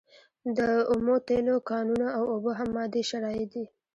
د اومو تیلو کانونه او اوبه هم مادي شرایط دي.